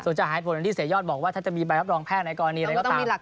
ถูกจังหายผลภายไดที่เสยยอดบอกว่าถ้ามีปรับรองแพทย์ในกรณีตัวเนี้ย